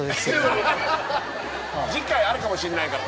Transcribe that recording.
次回あるかもしんないから。